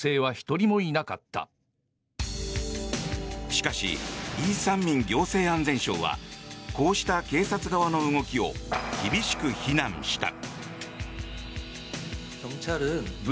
しかしイ・サンミン行政安全相はこうした警察側の動きを厳しく非難した。